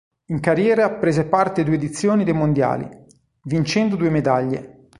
In carriera prese parte a due edizioni dei Mondiali, vincendo due medaglie.